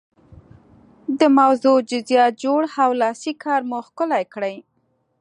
د موضوع جزئیات جوړ او لاسي کار مو ښکلی کړئ.